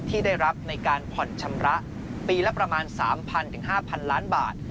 ที่ได้รับในการผ่อนชำระปีละประมาณ๓๐๐๕๐๐ล้านบาท